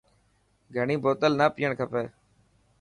گهڻي بوتل نا پئڻ کپي.